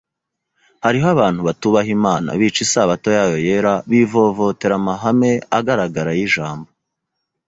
” Hariho abantu batubaha Imana, bica Isabato yayo yera, bivovotera amahame agaragara y’Ijambo